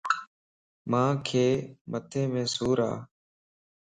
مانک مٿي مَ سُور ا.